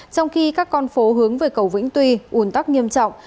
trong khi các con phố hướng về cầu vĩnh tuy ùn tóc nghiêm trọng